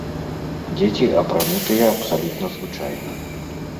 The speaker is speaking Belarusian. Дзеці апранутыя абсалютна звычайна.